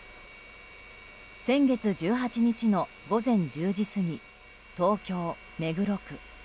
先月１８日の午前１０時過ぎ東京・目黒区。